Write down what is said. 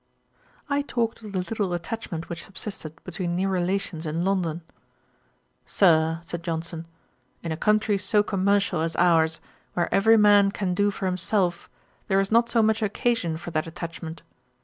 I talked of the little attachment which subsisted between near relations in London. 'Sir, (said Johnson,) in a country so commercial as ours, where every man can do for himself, there is not so much occasion for that attachment.